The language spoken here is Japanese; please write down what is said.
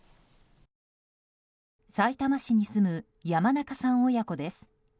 さいたま市に住む山中さん親子です。